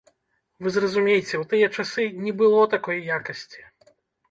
Вы зразумейце, у тыя часы не было такой якасці.